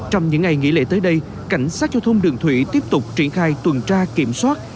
trong những ngày nghỉ lễ tới đây cảnh sát giao thông đường thủy tiếp tục triển khai tuần tra kiểm soát